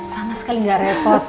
sama sekali nggak repot